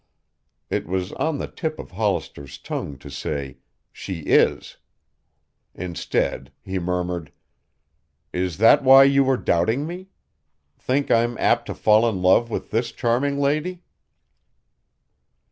It was on the tip of Hollister's tongue to say, "She is." Instead he murmured, "Is that why you were doubting me? Think I'm apt to fall in love with this charming lady?"